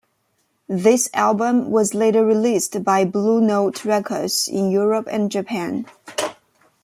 This album was later released by Blue Note Records in Europe and Japan.